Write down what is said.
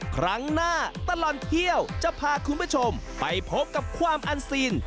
ครั้งหน้าตลอดเที่ยวจะพาคุณผู้ชมไปพบกับความอันซีน